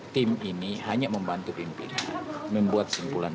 tim ini hanya membantu pimpinan membuat simpulan